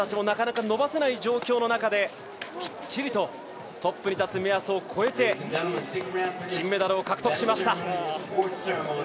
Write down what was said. なかなか伸ばせない状況の中できっちりとトップに立つ目安を越えて金メダルを獲得しました。